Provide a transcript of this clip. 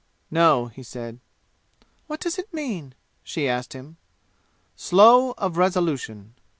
"No," he said. "What does it mean?" she asked him. "Slow of resolution!"